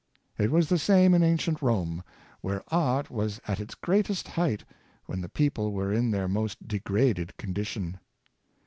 It was the same in ancient Rome, where art was at its greatest height when the people were in their most degraded condition.